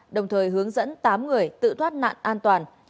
đồng thời hướng dẫn tám người tự thoát nạn an toàn